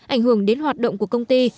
ảnh hưởng đến hoạt động của công ty